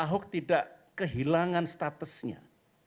ahok tidak kehilangan statusnya